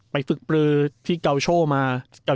ไปฟึกปรือที่กาโชว์มา